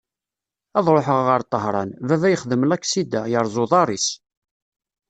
Ad ruḥeɣ ɣer Tahran, baba yexdem laksida, yerreẓ uḍar-is.